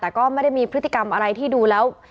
แล้วไม่มีพฤติกรรมอะไรที่ดูแล้ว